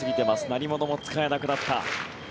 鳴り物も使えなくなった。